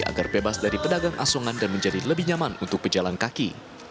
agar bebas dari pedagang asongan dan menjadi lebih nyaman untuk pejalan kaki